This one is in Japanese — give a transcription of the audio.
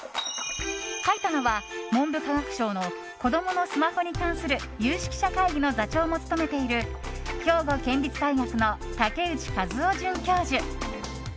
書いたのは、文部科学省の子供のスマホに関する有識者会議の座長も務めている兵庫県立大学の竹内和雄准教授。